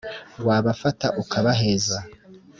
Wabafata ukabaheza